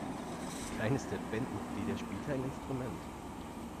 Keines der Bandmitglieder spielte ein Instrument.